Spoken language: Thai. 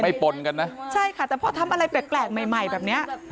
ไม่ปนนะใช่ค่ะแต่เพราะทำอะไรแปลกใหม่แบบนี้